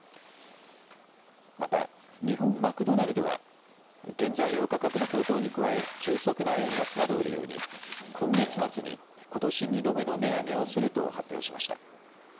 また日本マクドナルドは原材料価格の高騰に加え急速な円安などを理由に今月末にことし２度目の値上げをすると発表しました。